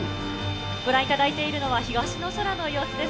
ご覧いただいているのは、東の空の様子です。